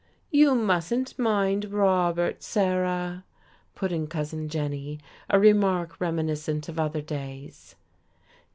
"You mustn't mind Robert, Sarah," put in Cousin Jenny, a remark reminiscent of other days.